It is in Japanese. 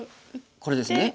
これですね。